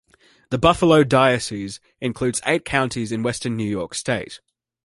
The Buffalo Diocese includes eight counties in Western New York State.